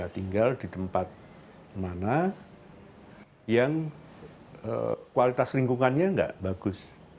tinggal di tempat mana yang kualitas lingkungannya nggak bagus